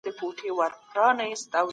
د تخنیکي مهارتونو زده کړه مهمه ده.